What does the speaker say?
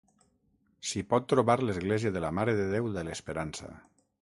S'hi pot trobar l'església de la Mare de Déu de l'Esperança.